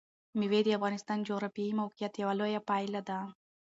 مېوې د افغانستان د جغرافیایي موقیعت یوه لویه پایله ده.